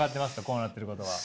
こうなってることは。